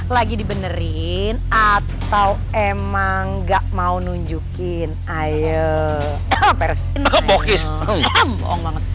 lagi dibenerin atau emang nggak mau nunjukin ayo persen pokoknya